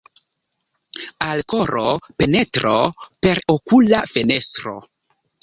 Al koro penetro per okula fenestro.